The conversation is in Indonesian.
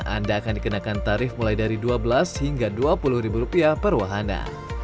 anda akan dikenakan tarif mulai dari dua belas hingga dua puluh ribu rupiah per wahana